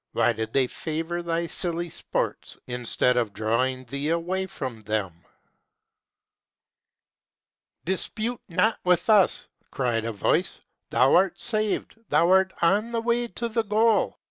Why did they favor thy silly sports, instead of drawing thee away from them ?''" Dispute not with us !" cried a voice. " Thou art saved, thou art on the way to the goal.